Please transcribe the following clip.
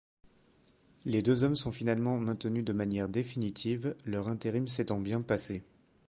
Les deux hommes sont finalement maintenus de manière définitive, leur intérim s'étant bien déroulé.